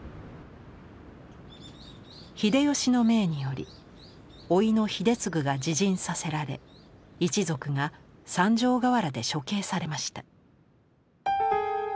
秀吉の命によりおいの秀次が自刃させられ一族が三条河原で処刑されました。